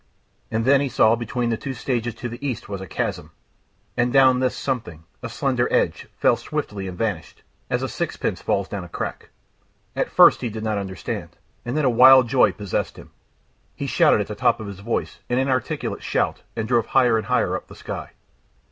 And then he saw between the two stages to the east was a chasm, and down this something, a slender edge, fell swiftly and vanished, as a sixpence falls down a crack. At first he did not understand, and then a wild joy possessed him. He shouted at the top of his voice, an inarticulate shout, and drove higher and higher up the sky.